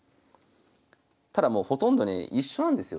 ただもうほとんどね一緒なんですよ。